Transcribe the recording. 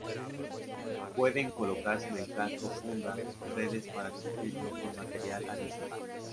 Pueden colocarse en el casco fundas y redes para cubrirlo con material adicional.